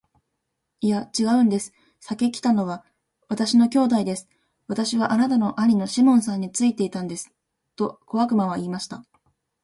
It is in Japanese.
「いや、ちがうんです。先来たのは私の兄弟です。私はあなたの兄さんのシモンについていたんです。」と小悪魔は言いました。